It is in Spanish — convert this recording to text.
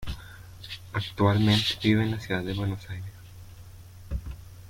Actualmente vive en la ciudad de Buenos Aires.